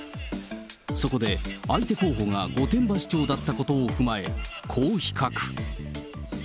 そこで相手候補が御殿場市長だったことを踏まえ、こう比較。